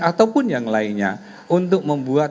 ataupun yang lainnya untuk membuat